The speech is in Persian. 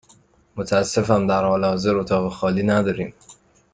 متأسفم، در حال حاضر اتاق خالی نداریم.